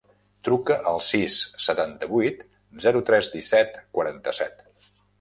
Truca al sis, setanta-vuit, zero, tres, disset, quaranta-set.